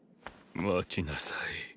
待ちなさい。